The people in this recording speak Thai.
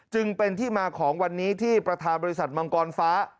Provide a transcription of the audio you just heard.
จึงเป็นที่มาของวันนี้ที่ประธานบริษัทมังกรฟ้า